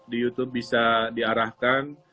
di youtube bisa diarahkan